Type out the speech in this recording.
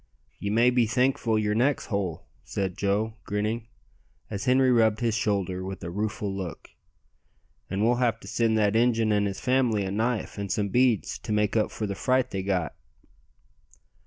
"Ye may be thankful yer neck's whole," said Joe, grinning, as Henri rubbed his shoulder with a rueful look. "An' we'll have to send that Injun and his family a knife and some beads to make up for the fright they got."